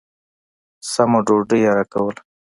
سمه ډوډۍ يې راکوله.